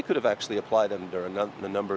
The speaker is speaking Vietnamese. chúng ta muốn phát triển phong trào